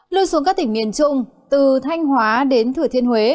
lưu xuống các tỉnh miền trung từ thanh hóa đến thừa thiên huế